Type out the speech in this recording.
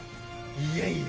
いやいや！